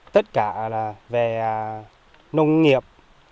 tất cả là về nông nghiệp